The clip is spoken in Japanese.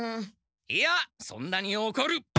いやそんなにおこる！